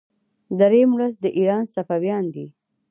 دریم لوست د ایران صفویان دي.